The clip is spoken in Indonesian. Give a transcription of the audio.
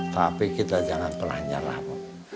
tapi kita jangan pelanjar lah pop